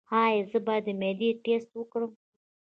ایا زه باید د معدې ټسټ وکړم؟